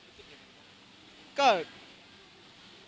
เราจะรู้รู้สึกยังไงครับ